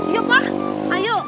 yuk pah ayo